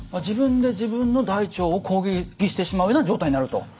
自分で自分の大腸を攻撃してしまうような状態になると。